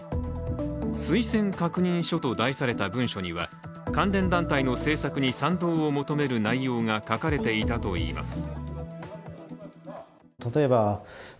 推薦確認書と題された文書には関連団体の政策に賛同を求める内容が書かれていたといいます。